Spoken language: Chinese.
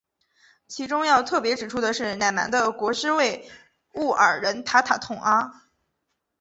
其中要特别指出的是乃蛮的国师畏兀儿人塔塔统阿。